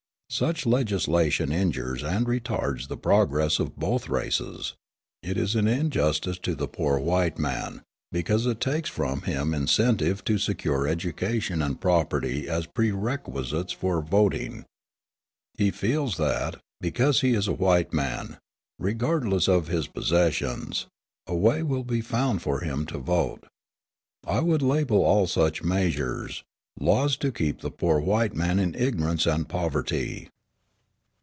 Such legislation injures and retards the progress of both races. It is an injustice to the poor white man, because it takes from him incentive to secure education and property as prerequisites for voting. He feels that, because he is a white man, regardless of his possessions, a way will be found for him to vote. I would label all such measures, "Laws to keep the poor white man in ignorance and poverty."